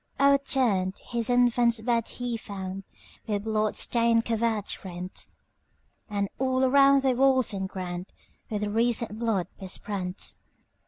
O'erturned his infant's bed he found, With blood stained covert rent; And all around the walls and groundWith recent blood besprent.